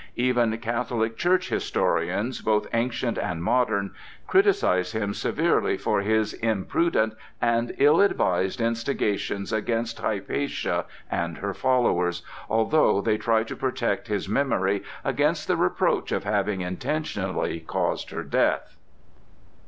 Even Catholic Church historians, both ancient and modern, criticise him severely for his imprudent and ill advised instigations against Hypatia and her followers, although they try to protect his memory against the reproach of having intentionally caused her death.